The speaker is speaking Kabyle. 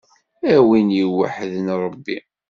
A win iweḥden Ṛebbi.